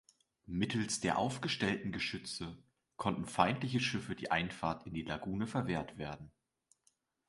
Mittels der aufgestellten Geschütze konnte feindlichen Schiffen die Einfahrt in die Lagune verwehrt werden.